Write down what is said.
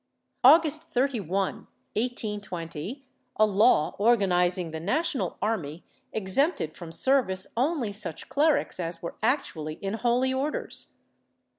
August 31, 1820, a law organizing the national army exempted from service only such clerics as were actually in holy Orders.